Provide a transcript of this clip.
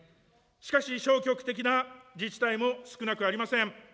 しかし、消極的な自治体も少なくありません。